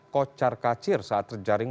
kocar kacir saat terjaring